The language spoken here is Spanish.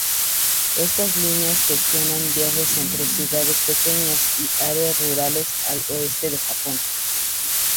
Estas líneas gestionan viajes entre ciudades pequeñas y áreas rurales al oeste de Japón.